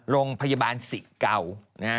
โรงพยาบาลสิกเก่า